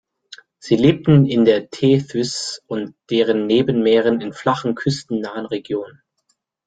Sie lebten in der Tethys und deren Nebenmeeren in flachen, küstennahen Regionen.